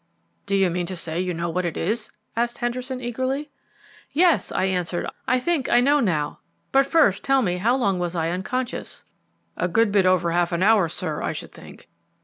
"Do you mean to say you know what it is?" asked Henderson eagerly. "Yes," I answered, "I think I know now; but first tell me how long was I unconscious?" "A good bit over half an hour, sir, I should think.